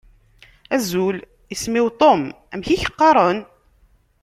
Azul, isem-iw Tom. Amek i ak-qqaṛen?